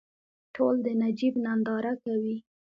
ټول د نجیب ننداره کوي.